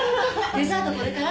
デザートこれから？